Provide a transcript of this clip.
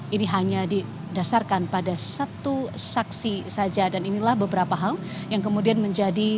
ini hanya didasarkan pada satu saksi saja dan inilah beberapa hal yang kemudian menjadi